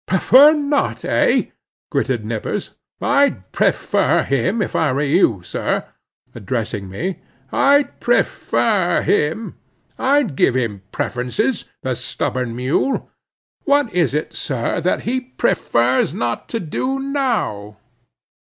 "Prefer not, eh?" gritted Nippers—"I'd prefer him, if I were you, sir," addressing me—"I'd prefer him; I'd give him preferences, the stubborn mule! What is it, sir, pray, that he prefers not to do now?"